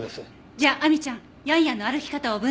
じゃあ亜美ちゃんヤンヤンの歩き方を分析してみて。